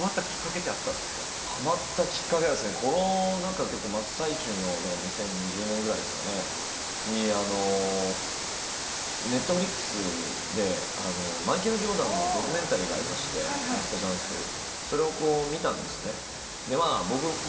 ハマったきっかけってあったハマったきっかけはコロナ禍、真っ最中の２０２０年くらいですかね、Ｎｅｔｆｌｉｘでマイケル・ジョーダンのドキュメンタリーがありまして、『ラストダンス』っていう。